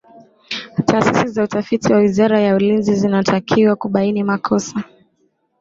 taasisi za utafiti wa wizara ya ulinzi zinatakiwa kubaini makosa